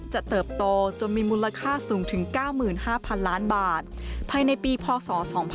เติบโตจนมีมูลค่าสูงถึง๙๕๐๐๐ล้านบาทภายในปีพศ๒๕๖๒